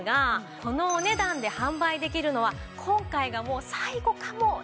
このお値段で販売できるのは今回がもう最後かもしれないんです。